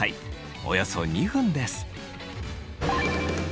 およそ２分です。